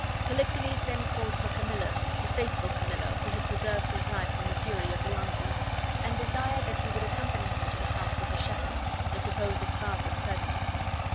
Polixenes then called for Camillo, the faithful Camillo, who had preserved his life from the fury of Leontes, and desired that he would accompany him to the house of the shepherd, the supposed father of Perdita.